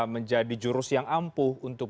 menjadi jurus yang ampuh untuk